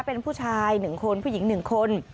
เป็นผู้ชาย๑คนผู้หญิง๑คน